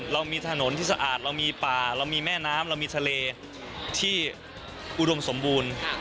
เรามีถนนที่สะอาดเรามีป่าเรามีแม่น้ำเรามีทะเลที่อุดมสมบูรณ์